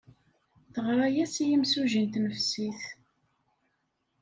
Teɣra-as i yemsujji n tnefsit.